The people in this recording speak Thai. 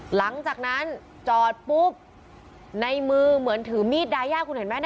หลังจากนั้นจอดปุ๊บในมือเหมือนถือมีดดายาคุณเห็นไหม